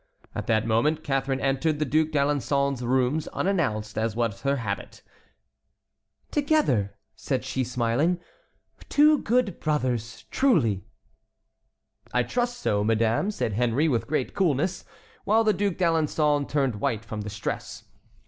At that moment Catharine entered the Duc d'Alençon's rooms, unannounced, as was her habit. "Together!" said she, smiling; "two good brothers, truly!" "I trust so, madame," said Henry, with great coolness, while the Duc d'Alençon turned white from distress.